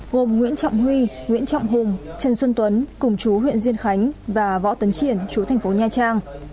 gồm nguyễn trọng huy nguyễn trọng hùng trần xuân tuấn cùng chú huyện diên khánh và võ tấn triển chú thành phố nha trang